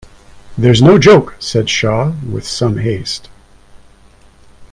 "There's no joke," said Shah, with some haste.